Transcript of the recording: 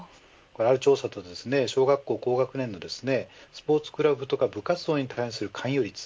ある調査で小学校高学年のスポーツクラブとか部活動に対する勧誘率